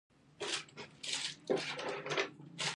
د تبادلو تکامل تر لوړې کچې ورسید.